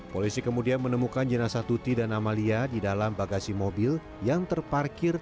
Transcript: polisi kemudian menemukan jenazah tuti dan amalia di dalam bagasi mobil yang terparkir